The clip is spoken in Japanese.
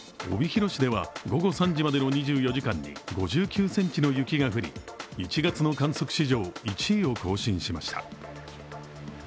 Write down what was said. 帯広市では、午後３時までの２４時間に５９ｃｍの雪が降り、１月の観測史上１位を更新しました。